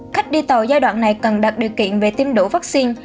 khách đi tàu giai đoạn này cần đặt điều kiện về tiêm đủ vaccine